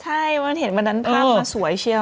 ใช่เว้นเห็นเมื่อนั้นภาพมันสวยเชียว